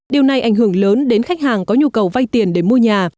điều này ảnh hưởng lớn đến khách hàng có nhu cầu vay tiền để mua nhà